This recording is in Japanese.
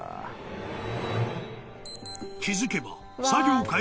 ［気付けば］